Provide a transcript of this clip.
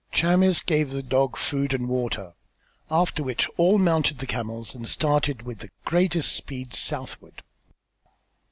Chamis gave the dog food and water, after which all mounted the camels and started with the greatest speed southward.